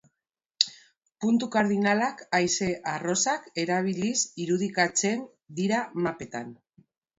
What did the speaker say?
Puntu kardinalak haize-arrosak erabiliz irudikatzen dira mapetan.